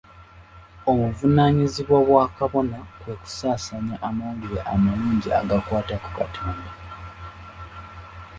Obuvunaanyizibwa bwa kabona kwe kusaasaanya amawulire amalungi agakwata ku katonda.